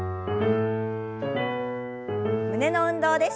胸の運動です。